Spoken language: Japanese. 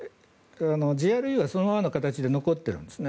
ＧＲＵはそのままの形で残ってるんですね。